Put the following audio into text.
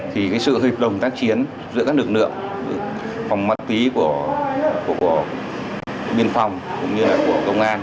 thì sự hiệp đồng tác chiến giữa các lực lượng phòng mắt tí của biên phòng cũng như là của công an